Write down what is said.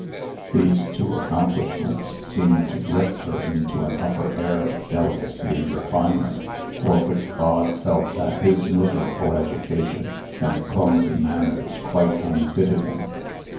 These two accomplishments seemed to lift her into an upper air of delicacy and refinement, for which Bog felt that his miserable education and clumsy manners quite unfitted him.